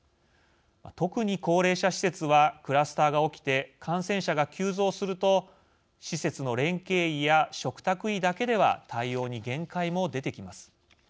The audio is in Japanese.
特に高齢者施設はクラスターが起きて感染者が急増すると施設の連携医や嘱託医だけでは対応に限界も出てきます。